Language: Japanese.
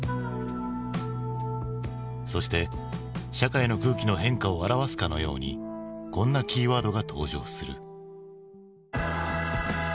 そして社会の空気の変化を表すかのようにこんなキーワードが登場する。